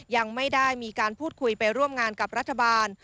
ยังไม่ได้มีการพูดคุยไปร่วมงานกับรัฐบาล